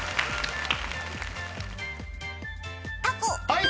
はい。